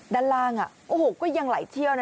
ด้านล่างโอ้โหก็ยังไหลเที่ยวนะ